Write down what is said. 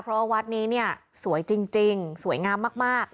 เพราะวัดนี้เนี่ยสวยจริงสวยงามมาก